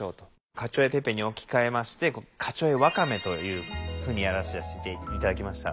カチョ・エ・ペペに置き換えましてカチョ・エ・ワカメというふうにやらさせて頂きました。